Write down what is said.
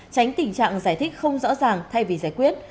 tránh tình trạng giải thích không rõ ràng thay vì giải quyết